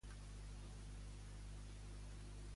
Com trobava, Leandre, a Hero?